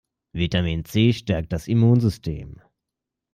Vitamin C stärkt das Immunsystem.